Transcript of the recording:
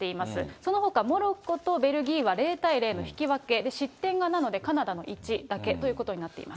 そのほか、モロッコとベルギーは０対０の引き分け、失点が７でカナダの１だけということになっています。